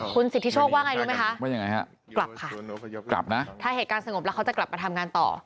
คุณสิทธิโชคว่าไงด้วยไหมคะกลับค่ะถ้าเหตุการณ์สงบแล้วเขาจะกลับไปทำงานต่อ